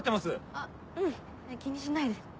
あうん気にしないで。